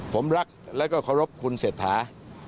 ผมรักแล้วก็เคารพคุณเศรษฐา